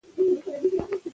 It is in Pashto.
د تېلو بیې بې ثباته وې؛